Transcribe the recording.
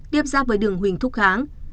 tiếp ra với đường huỳnh thúc háng